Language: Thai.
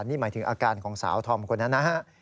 นี่หมายถึงอาการของสาวธอมคนนั้นนะฮะ